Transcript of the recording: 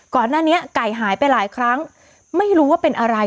ก่อนหน้านี้ไก่หายไปหลายครั้งไม่รู้ว่าเป็นอะไร